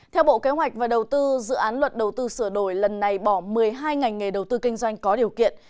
theo bộ kế hoạch và đầu tư dự án luật đầu tư sửa đổi lần này bỏ một mươi hai ngành nghề đầu tư kinh doanh có điều kiện